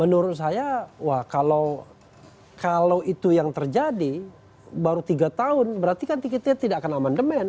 menurut saya kalau itu yang terjadi baru tiga tahun berarti kan tiketnya tidak akan amandemen